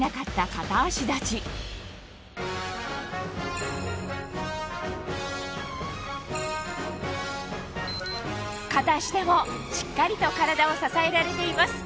片足立ち片足でもしっかりと体を支えられています